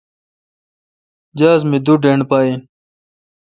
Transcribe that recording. جہاز می دو ڈنڈ پہ این